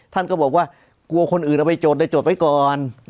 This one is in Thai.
ท่านก็บอกว่ากลัวคนอื่นเอาไปจดได้จดไว้ก่อน